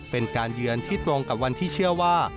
เป็นการเยือนที่ตรงกับวันที่เชื่อว่า